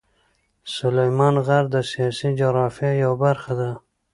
سلیمان غر د سیاسي جغرافیه یوه برخه ده.